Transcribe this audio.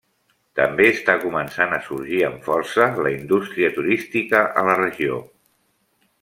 També està començant a sorgir amb força la indústria turística a la regió.